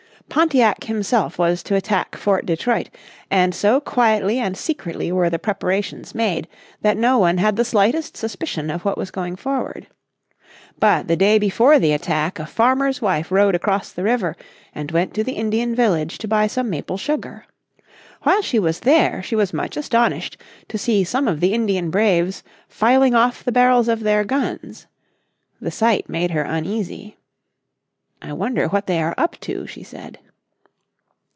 Pontiac himself was to attack Fort Detroit, and so quietly and secretly were the preparations made that no one had the slightest suspicion of what was going forward. But the day before the attack a farmer's wife rowed across the river, and went to the Indian village to buy some maple sugar. While she was there she was much astonished to see some of the Indian braves filing off the barrels of their guns. The sight made her uneasy. "I wonder what they are up to?" she said.